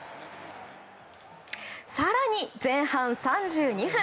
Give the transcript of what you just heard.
更に前半３２分。